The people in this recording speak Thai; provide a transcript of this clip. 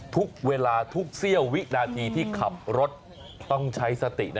ทุกเวลาทุกเสี้ยววินาทีที่ขับรถต้องใช้สตินะ